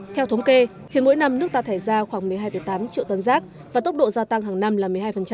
theo thống kê khiến mỗi năm nước ta thải ra khoảng một mươi hai tám triệu tấn rác và tốc độ gia tăng hàng năm là một mươi hai